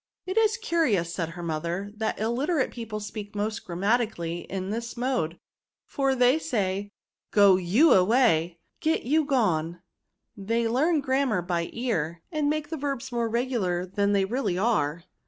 " It is curious," said her mother, " that illiterate people speak most grammatically in this mode ; for they say, ' Go y(m away, get y€u gone.' They learn grammar by the ear, and make the verbs more regular than they really are."